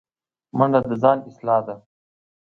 منډه د ځان اصلاح ده